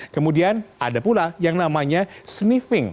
kemudian ada pula yang namanya sniffing